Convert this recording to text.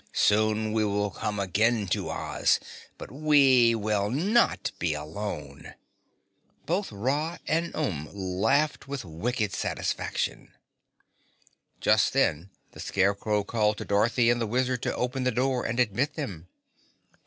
Soon we will come again to Oz. But we will not be alone!" Both Ra and Umb laughed with wicked satisfaction. Just then the Scarecrow called to Dorothy and the Wizard to open the door and admit them.